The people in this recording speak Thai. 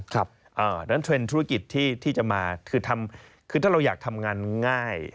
เพราะฉะนั้นเทรนด์ธุรกิจที่จะมาคือถ้าเราอยากทำงานง่าย